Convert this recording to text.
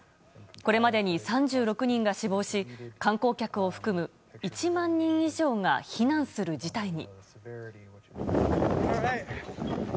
これまでに３６人が死亡し観光客を含む１万人以上が避難する事態に。